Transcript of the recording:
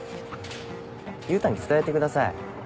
優太に伝えてください。